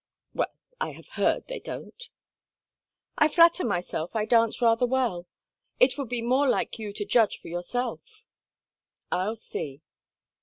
"Well, I have heard they don't." "I flatter myself I dance rather well. It would be more like you to judge for yourself." "I'll see."